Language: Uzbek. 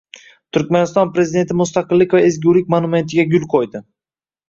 Turkmaniston Prezidenti Mustaqillik va ezgulik monumentiga gul qo‘ydi